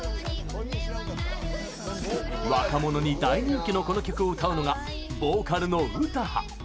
若者に大人気のこの曲を歌うのがボーカルの詩羽。